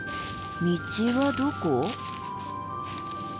道はどこ？